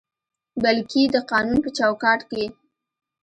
بلکې د قانون په چوکاټ کې